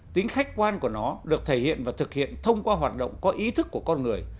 tính khách quan của nó được thể hiện và thực hiện thông qua hoạt động có ý thức của con người